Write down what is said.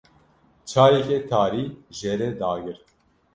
Çayeke tarî jê re dagirt.